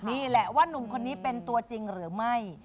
นี่แหละว่านุ่มคนนี้เป็นตัวจริงหรือไม่